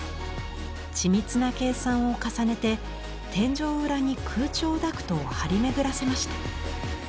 緻密な計算を重ねて天井裏に空調ダクトを張り巡らせました。